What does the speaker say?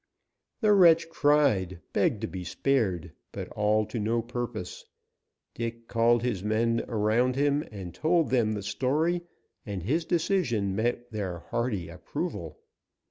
The wretch cried, begged to be spared; but all to no purpose. Dick called his men around him and told them the story, and his decision met their hearty approval.